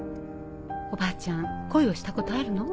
おばあちゃん恋をしたことあるの？